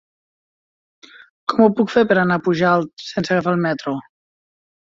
Com ho puc fer per anar a Pujalt sense agafar el metro?